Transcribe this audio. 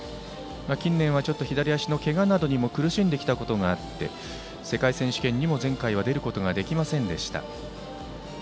近年は左足のけがなどにも苦しんできたことがあって世界選手権にも前回は出ることはできませんでした。